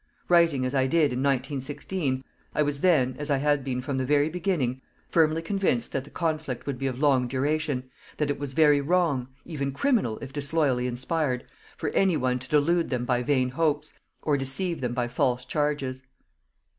Writing, as I did, in 1916, I was then, as I had been from the very beginning, firmly convinced that the conflict would be of long duration, that it was very wrong even criminal if disloyally inspired for any one to delude them by vain hopes, or deceive them by false charges.